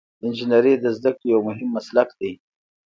انجنیری د زده کړې یو مهم مسلک دی.